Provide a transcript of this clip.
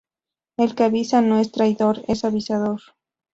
El que avisa no es traidor, es avisador